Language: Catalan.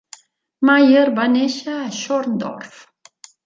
Maier va néixer a Schorndorf.